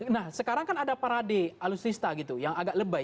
nah sekarang kan ada parade alusista gitu yang agak lebay